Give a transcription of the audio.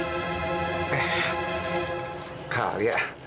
eh kak alia